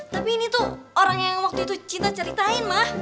tapi ini tuh orang yang waktu itu cinta ceritain mah